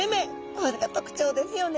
これが特徴ですよね！